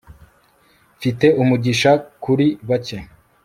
mfite umugisha kuri bake